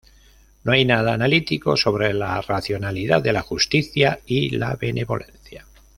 No hay nada analítico sobre la racionalidad de la justicia y la benevolencia.